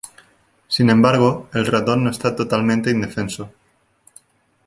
Sin embargo, el ratón no está totalmente indefenso.